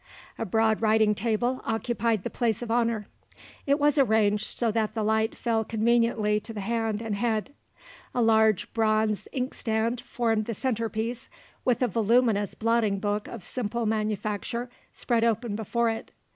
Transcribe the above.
A broad writing table occupied the place of honour. It was arranged so that the light fell conveniently to the hand and head. A large bronze inkstand formed the centrepiece, with a voluminous blotting book of simple manufacture spread open before it.